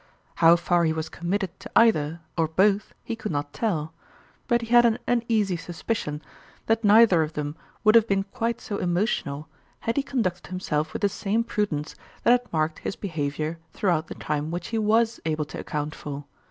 How far he was committed to either, or both, he could not tell ; but he had an uneasy sus picion that neither of them would have been quite so emotional had he conducted himself with the same prudence that had marked his 64 behavior throughout the time which he was able to account for.